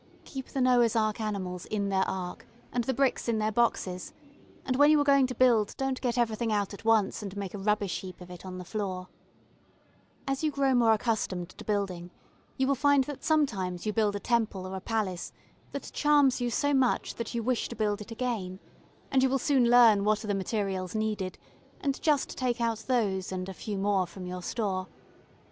Keep the Noah's Ark animals in their Ark, and the bricks in their boxes, and when you are going to build don't get everything out at once and make a rubbish heap of it on the floor. [Illustration: FAN WINDOW.] As you grow more accustomed to building, you will find that sometimes you build a temple or palace that charms you so much that you wish to build it again; and you will soon learn what are the materials needed, and just take out those and a few more from your store.